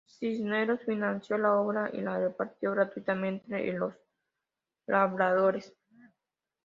Cisneros financió la obra y la repartió gratuitamente entre los labradores.